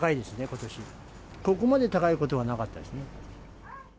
ここまで高いことはなかったですね。